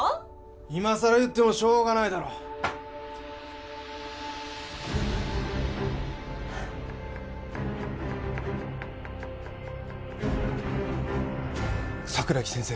今さら言ってもしょうがないだろはあ桜木先生